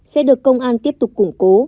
sẽ được công an tiếp tục củng cố